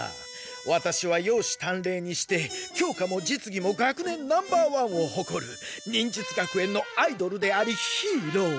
ワタシは容姿端麗にして教科も実技も学年ナンバーワンをほこる忍術学園のアイドルでありヒーロー。